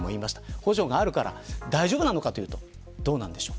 補助があるから大丈夫なのかというと、どうなんでしょう。